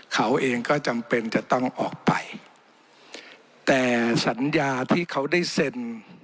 เขาเองก็จำเป็นจะต้องออกไปแต่สัญญาที่เขาได้เซ็น